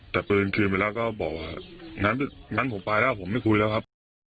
แต่ปืนคืนไปแล้วก็บอกว่างั้นผมไปแล้วผมไม่คุยแล้วครับ